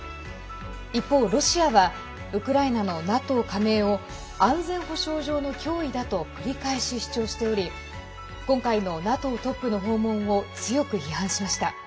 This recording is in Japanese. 一方、ロシアはウクライナのＮＡＴＯ加盟を安全保障上の脅威だと繰り返し主張しており今回のＮＡＴＯトップの訪問を強く批判しました。